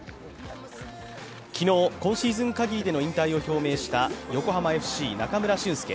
昨日、今シーズン限りでの引退を表明した横浜ＦＣ・中村俊輔。